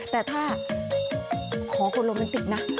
แต่ถ้าขอคนโรแมนติกนะ